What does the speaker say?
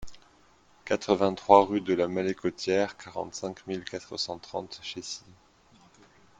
quatre-vingt-trois rue de la Malécotière, quarante-cinq mille quatre cent trente Chécy